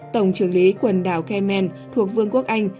tổng trưởng lý quần đảo kemen thuộc vương quốc anh